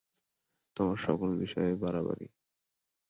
তোমার সকল বিষয়েই বাড়াবাড়ি।